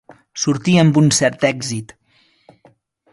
Sortí amb un cert èxit.